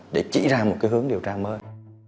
để chỉ ra một cái hướng điều tra mới